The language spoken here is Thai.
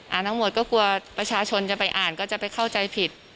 ทั้งหมดก็กลัวประชาชนจะไปอ่านก็จะไปเข้าใจผิด